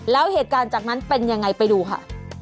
แล้วเหตุการณ์จากนั้นเป็นยังไงไปดูค่ะ